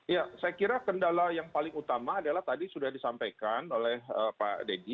ya saya kira kendala yang paling utama adalah tadi sudah disampaikan oleh pak deddy